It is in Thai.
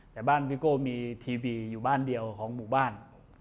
แต่บ้านพี่โก้มีทีวีอยู่บ้านเดียวของหมู่บ้าน